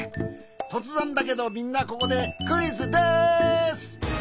とつぜんだけどみんなここでクイズです！